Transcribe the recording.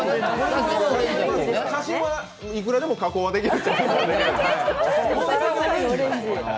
写真はいくらでも加工はできる。